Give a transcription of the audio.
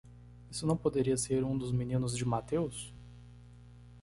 Isso não poderia ser um dos meninos de Mateus?